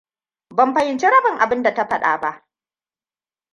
Ban fahimci rabin abinda ta faɗa ba.